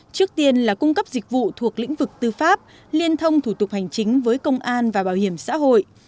trước tiên là cung cấp dịch vụ thuộc lĩnh vực tư pháp liên thông thủ tục hành chính với công an và bảo hiểm xã hội